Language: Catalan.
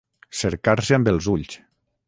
Cercar-se amb els ulls.